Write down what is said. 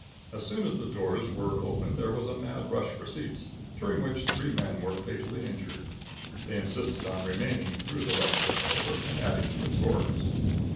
As soon as the doors were opened there was a mad rush for seats, during which three men were fatally injured. They insisted on remaining through the lecture, however, and adding to its horrors.